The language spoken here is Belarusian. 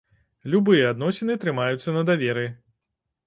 Любыя адносіны трымаюцца на даверы.